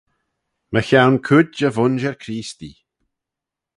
Mychione cooid y vooinjer Creestee.